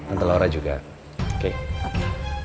antar laura juga oke oke